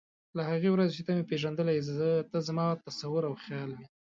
له هغې ورځې چې ته مې پېژندلی یې ته زما تصور او خیال وې.